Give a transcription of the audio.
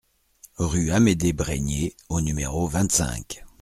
Rue Amédée Brenier au numéro vingt-cinq